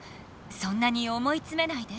そんなに思いつめないで。